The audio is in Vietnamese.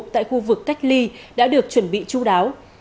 tại khu vực cách ly đã được chuẩn bị chú đáo